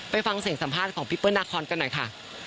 ไปฟังเสียงสัมภาษณ์ของพี่เปิ้ลนาคอนกันหน่อยค่ะ